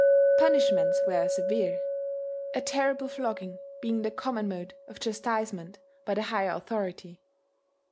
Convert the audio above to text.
Punishments were severe, a terrible flogging being the common mode of chastisement by the higher authority....